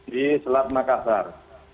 di selat makassar